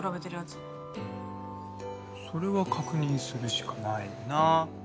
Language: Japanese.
それは確認するしかないな。